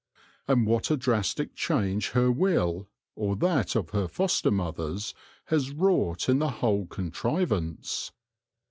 And what a drastic change her will, or that of her foster mothers, has wrought in the whole con trivance